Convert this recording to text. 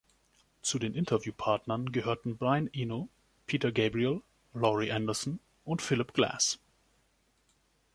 Zu den Interviewpartnern gehörten Brian Eno, Peter Gabriel, Laurie Anderson und Philip Glass.